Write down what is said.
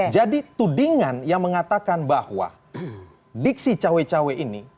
jadi tudingan yang mengatakan bahwa diksi cawe cawe ini